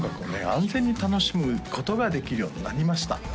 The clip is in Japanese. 安全に楽しむことができるようになりました